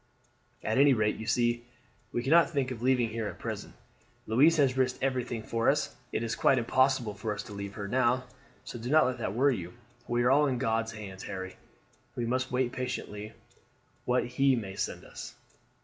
"At anyrate, you see, we cannot think of leaving here at present. Louise has risked everything for us. It is quite impossible for us to leave her now, so do not let that worry you. We are all in God's hands, Harry, and we must wait patiently what He may send us."